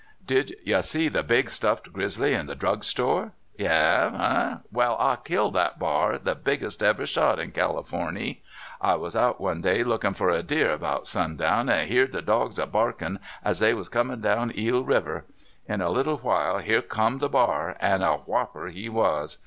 "Did you see the big stuffed grizzly in the drug store? You have, eh? Well,* I killed that bar, the biggest ever shot in Californy. I was out one day lookin' for a deer about sundown, and hecrd 112 The Ethics of Grizzly Hunting. the dogs a barkin' as they was comiu' down EeJ Kiver> lu a little while here come the bar, an' a whopper he was